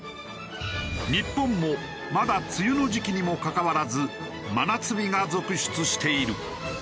日本もまだ梅雨の時期にもかかわらず真夏日が続出している。